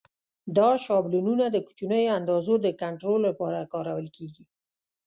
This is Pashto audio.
دا شابلونونه د کوچنیو اندازو د کنټرول لپاره کارول کېږي.